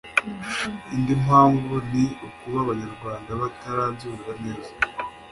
Indi mpamvu ni ukuba Abanyarwanda batarabyumva neza